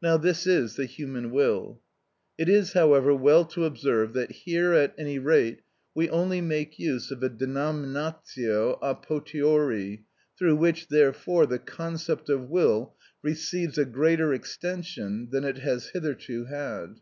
Now this is the human will. It is, however, well to observe that here, at any rate, we only make use of a denominatio a potiori, through which, therefore, the concept of will receives a greater extension than it has hitherto had.